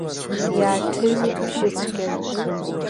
Иааҭыҩит бжьыцәгьак.